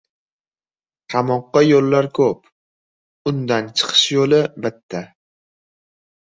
• Qamoqqa yo‘llar ko‘p, undan chiqish yo‘li bitta.